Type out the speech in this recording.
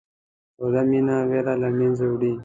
توده مینه وېره له منځه وړي.